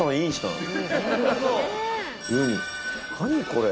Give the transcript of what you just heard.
何これ？